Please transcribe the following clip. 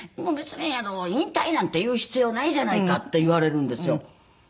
別に引退なんて言う必要ないじゃないかって言われるんですよ。